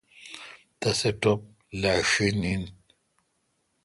تسے ٹپ لاشین این۔